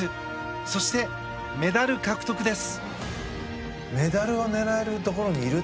そして、メダル獲得です。